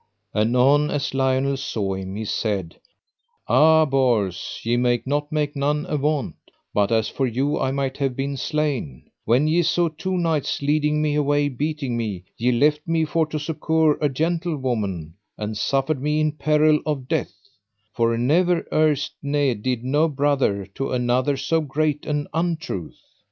Anon as Lionel saw him he said: Ah Bors, ye may not make none avaunt, but as for you I might have been slain; when ye saw two knights leading me away beating me, ye left me for to succour a gentlewoman, and suffered me in peril of death; for never erst ne did no brother to another so great an untruth.